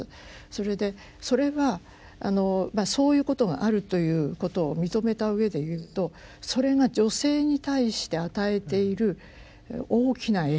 それでそれはそういうことがあるということを認めたうえで言うとそれが女性に対して与えている大きな影響